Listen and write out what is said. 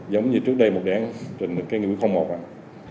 giống như trước đây một đề án trình cái nghiệp không ổn